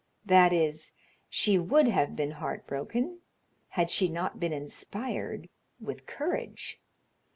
That is, she would have been heart broken had she not been inspired with courage.